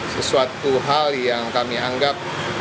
sesuatu hal yang kami anggap